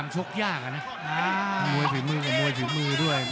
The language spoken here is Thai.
ชกยากนะน่ะมวยผิดมือก็มวยผิดมือด้วย